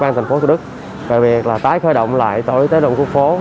như vậy là phải hoạt động về tổ y tế đủ khu phố